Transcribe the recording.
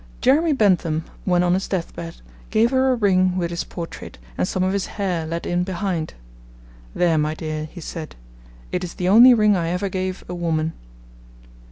Jeremy Bentham, when on his deathbed, gave her a ring with his portrait and some of his hair let in behind. 'There, my dear,' he said, 'it is the only ring I ever gave a woman.'